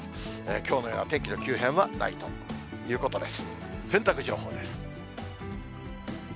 きょうのような天気の急変はないということです。